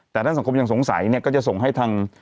แต่ห้านสังคมอย่างสงสัยก็จะส่งให้ทาง